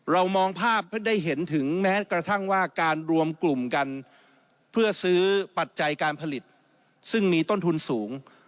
มองภาพได้เห็นถึงแม้กระทั่งว่าการรวมกลุ่มกันเพื่อซื้อปัจจัยการผลิตซึ่งมีต้นทุนสูง